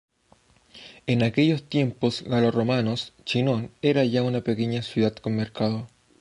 En aquellos tiempos galo-romanos, Chinon era ya una pequeña ciudad con mercado.